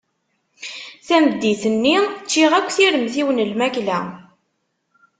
Tameddit-nni ččiɣ akk tiremt-iw n lmakla.